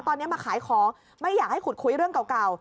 ตอนนี้มาขายของไม่อยากให้ขุดคุยเรื่องเก่า